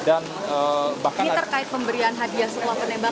ini terkait pemberian hadiah sebuah penembakan